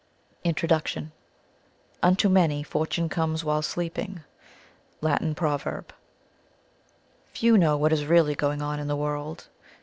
INTRODUCTION. "Unto many Fortune comes while sleeping." Latin Proverb. "Few know what is really going on in the world."